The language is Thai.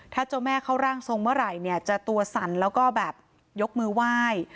ถ้าเจ้าแม่เข้าร่างทรงเมื่อไหร่เนี่ยจะตัวสั่นแล้วก็แบบยกมือไหว้